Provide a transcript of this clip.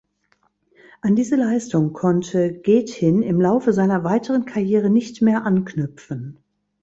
An diese Leistung konnte Gethin im Laufe seiner weiteren Karriere nicht mehr anknüpfen.